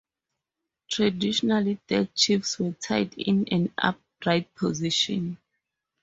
Traditionally dead chiefs were tied in an upright position.